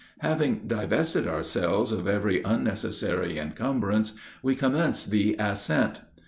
Having divested ourselves of every unnecessary encumbrance, we commenced the ascent.